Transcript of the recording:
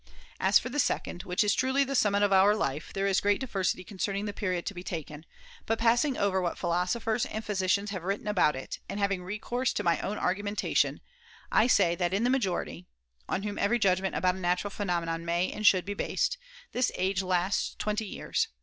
As for the second, which is truly the summit of our life, there is great diversity concerning the period to be taken ; but passing over what philosophers and physicians have written about it, and having recourse to my own argumentation, I say that in the majority (on whom every judgment about a natural phenomenon may and should be based) this age lasts twenty years.